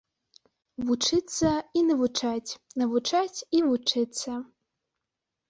Вучыцца і навучаць, навучаць і вучыцца.